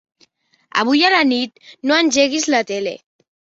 Avui a la nit no engeguis la tele.